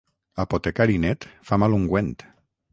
Apotecari net fa mal ungüent.